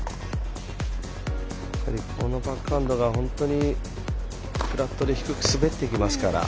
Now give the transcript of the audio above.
このバックハンドが本当にフラットで低く滑っていきますから。